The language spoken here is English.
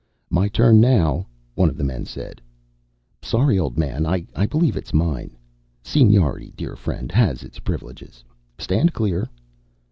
"My turn now," one of the men said. "Sorry, old man, I believe it's mine." "Seniority, dear friend, has its privileges. Stand clear."